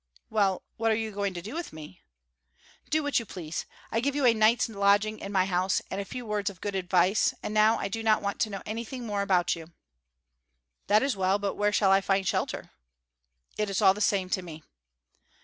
"Well, what are you going to do with me?" "Do what you please. I gave you a night's lodging in my house and a few words of good advice, and now I do not want to know anything more about you." "That is well, but where shall I find shelter?" "It is all the same to me."